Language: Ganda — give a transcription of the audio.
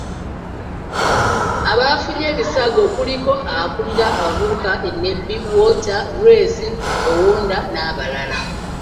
Abafunye ebisago kuliko; akulira abavubuka e Nebbi; Walter, Grace Owonda n'abalala.